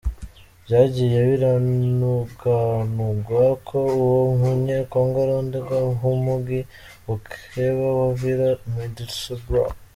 Vyagiye biranugwanugwa ko uwo munye Congo arondegwa n'umugwi mukeba wa Villa, Middlesbrough.